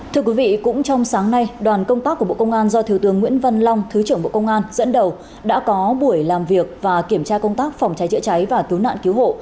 thưa quý vị cũng trong sáng nay đoàn công tác của bộ công an do thiếu tướng nguyễn văn long thứ trưởng bộ công an dẫn đầu đã có buổi làm việc và kiểm tra công tác phòng cháy chữa cháy và cứu nạn cứu hộ